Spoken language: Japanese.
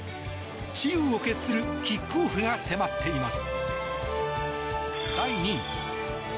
雌雄を決するキックオフが迫っています。